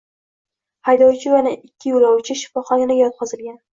Haydovchi va yana ikki yo‘lovchi shifoxonaga yotqizilgan